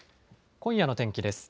今夜の天気です。